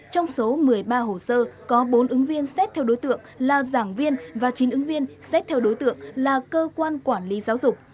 trong số một mươi ba hồ sơ có bốn ứng viên xét theo đối tượng là giảng viên và chín ứng viên xét theo đối tượng là cơ quan quản lý giáo dục